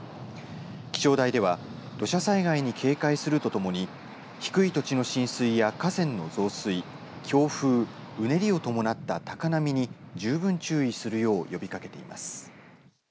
気象台では土砂災害に警戒するとともに低い土地の浸水や河川の増水強風、うねりを伴った高波に十分注意するよう呼びかけています。